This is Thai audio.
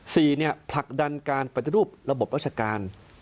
สี่เนี่ยผลักดันการปฏิรูประบบราชการ